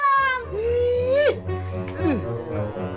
pak udah belum